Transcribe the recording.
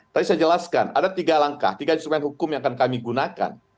tadi saya jelaskan ada tiga langkah tiga instrumen hukum yang akan kami gunakan